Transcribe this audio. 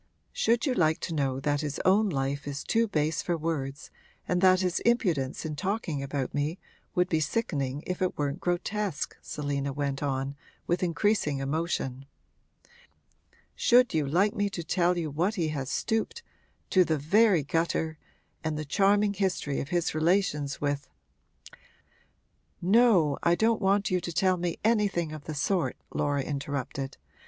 'Should you like to know that his own life is too base for words and that his impudence in talking about me would be sickening if it weren't grotesque?' Selina went on, with increasing emotion. 'Should you like me to tell you to what he has stooped to the very gutter and the charming history of his relations with ' 'No, I don't want you to tell me anything of the sort,' Laura interrupted.